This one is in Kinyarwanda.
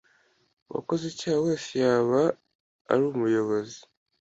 Uwakoze icyaha wese yaba ari umuyobozi